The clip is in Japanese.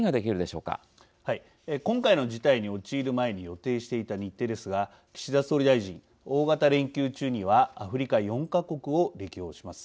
はい今回の事態に陥る前に予定していた日程ですが岸田総理大臣大型連休中にはアフリカ４か国を歴訪します。